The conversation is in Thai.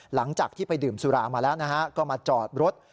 หลังจากที่ไปดื่มสุรามาแล้วนะฮะก็มาจอดรถ